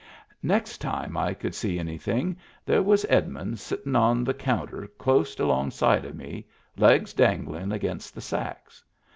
Next time I could see anything, there was Edmund sittin' on the counter clost alongside of me, legs danglin' against the sacks.